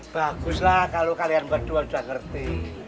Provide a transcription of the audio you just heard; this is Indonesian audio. baguslah kalau kalian berdua sudah ngerti